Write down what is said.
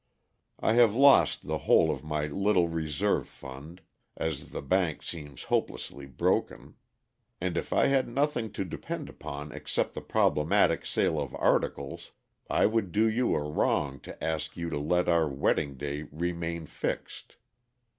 I have lost the whole of my little reserve fund as the bank seems hopelessly broken; and if I had nothing to depend upon except the problematic sale of articles, I would do you a wrong to ask you to let our wedding day remain fixed.